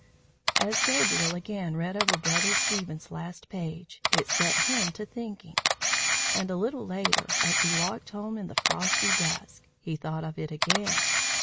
As Gabriel again read over Brother Stephen's last page, it set him to thinking; and a little later, as he walked home in the frosty dusk, he thought of it again.